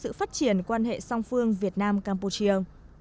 hẹn gặp lại các bạn trong những video tiếp theo